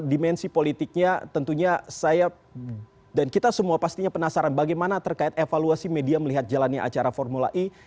dimensi politiknya tentunya saya dan kita semua pastinya penasaran bagaimana terkait evaluasi media melihat jalannya acara formula e